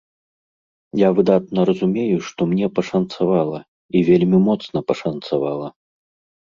Я выдатна разумею, што мне пашанцавала, і вельмі моцна пашанцавала.